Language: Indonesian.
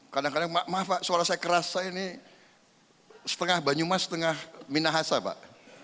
kadang kadang maaf pak suara saya kerasa ini setengah banyumas setengah minahasa pak